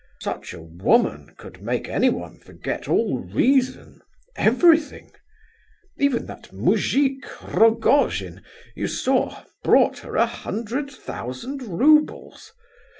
Such a woman could make anyone forget all reason—everything! Even that moujik, Rogojin, you saw, brought her a hundred thousand roubles!